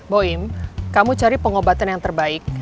boim kamu cari pengobatan yang terbaik